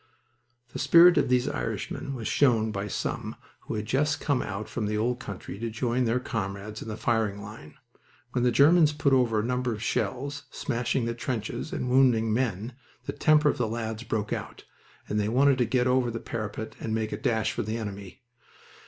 The spirit of these Irishmen was shown by some who had just come out from the old country to join their comrades in the firing line. When the Germans put over a number of shells, smashing the trenches and wounding men, the temper of the lads broke out, and they wanted to get over the parapet and make a dash for the enemy.